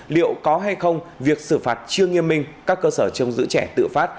liệu có hay không việc xử phạt chưa nghiêm minh các cơ sở trông giữ trẻ tự phát